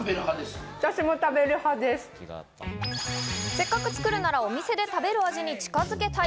せっかく作るならお店で食べる味に近づけたい。